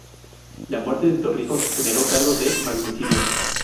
La muerte de Torrijos generó cargos de magnicidio.